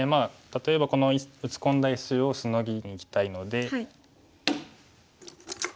例えばこの打ち込んだ石をシノぎにいきたいので。